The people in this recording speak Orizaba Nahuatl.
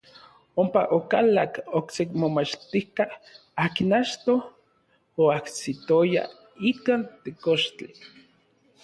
Ompa okalak n okse momachtijka akin achtoj oajsitoya ikkan tekochtli.